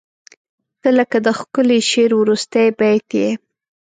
• ته لکه د ښکلي شعر وروستی بیت یې.